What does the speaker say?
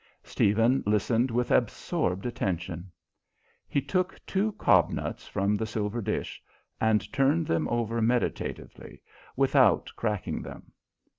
Stephen listened with absorbed attention. He took two cob nuts from the silver dish, and turned them over meditatively, without cracking them.